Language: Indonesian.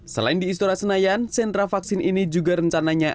selain di istora senayan sentra vaksin ini juga rencananya